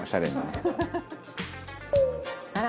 「あら！